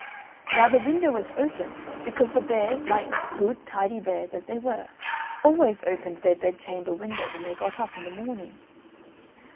Now the window was open, because the Bears, like good, tidy Bears, as they were, always opened their bedchamber window when they got up in the morning.